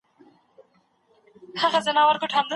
پیتاوی اکثر خلکو ته ښه احساس ورکوي.